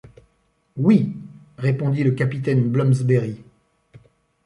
Oui, répondit le capitaine Blomsberry.